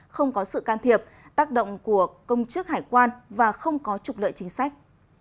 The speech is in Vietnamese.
không có sự can thiệp tác động của công chức hải quan và không có trục lợi chính sách